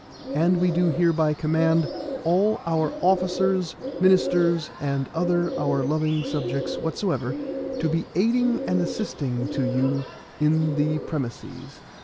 And we do hereby command all our officers, ministers, and other our loving subjects whatsoever, to be aiding and assisting to you in the premisses.